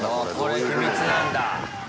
これ秘密なんだ。